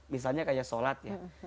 misalnya seperti sholat